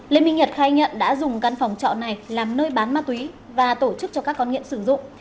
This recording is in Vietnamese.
lê minh nhật khai nhận đã dùng căn phòng trọ này làm nơi bán ma túy và tổ chức cho các con nghiện sử dụng